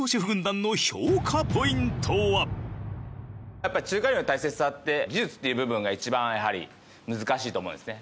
やっぱり中華料理の大切さって技術っていう部分が一番やはり難しいと思うんですね。